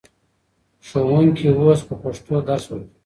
ښوونکي اوس په پښتو درس ورکوي.